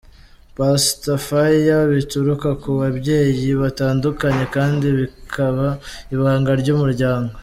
Pastor Fire: Bituruka ku babyeyi batandukanye kandi bikaba ibanga ry'umuryango.